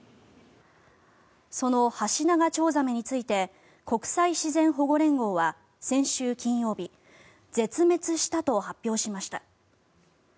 そのハシナガチョウザメについて国際自然保護連合は先週金曜日絶滅したと発表しました。